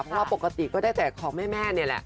เพราะว่าปกติก็ได้แต่ของแม่นี่แหละ